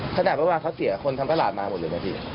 ถ้าแบบว่าเขาเสียคนทำกระหลาดมาหมดเลยนะพี่